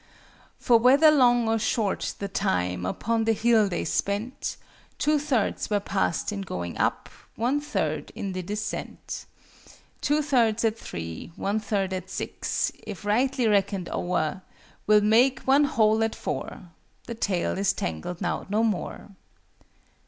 For whether long or short the time Upon the hill they spent, Two thirds were passed in going up, One third in the descent. Two thirds at three, one third at six, If rightly reckoned o'er, Will make one whole at four the tale Is tangled now no more.